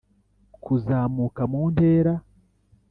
kuzamuka mu ntera